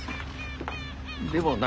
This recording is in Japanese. でもな。